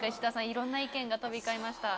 いろんな意見が飛び交いました。